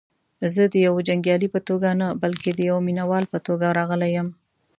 زه دیوه جنګیالي په توګه نه بلکې دیوه مینه وال په توګه راغلی یم.